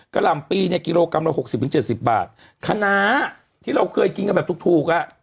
หล่ำปีเนี่ยกิโลกรัมละหกสิบถึงเจ็ดสิบบาทคณะที่เราเคยกินกันแบบถูกถูกอ่ะ